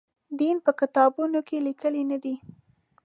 دین په کتابونو کې لیکلي نه دی.